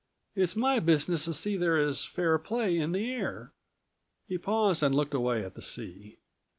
It's my business to see that there is fair play in the air." He paused and looked away at the sea.